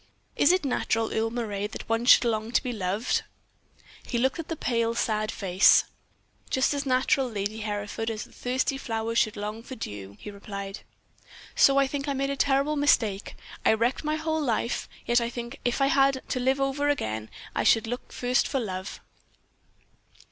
Is it natural, Earle Moray, that one should long to be loved?" He looked at the pale, sad face. "Just as natural, Lady Hereford, as that the thirsty flowers should long for dew," he replied. "So I think. I made a terrible mistake. I wrecked my whole life; yet I think that if I had to live over again I should look first for love.